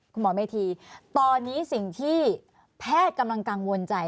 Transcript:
หมอเมธีตอนนี้สิ่งที่แพทย์กำลังกังวลใจ